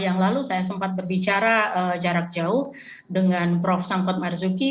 yang lalu saya sempat berbicara jarak jauh dengan prof sangkot marzuki